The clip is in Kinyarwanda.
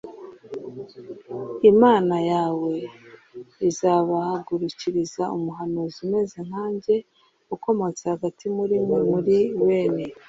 Imana yawe izabahagurukiriza umuhanuzi umeze nkanjye ukomotse hagati muri mwe muri bene